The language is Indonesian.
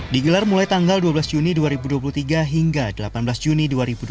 digelar mulai tanggal dua belas juni dua ribu dua puluh tiga hingga delapan belas juni dua ribu dua puluh